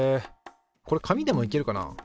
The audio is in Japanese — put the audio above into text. これ紙でもいけるかな。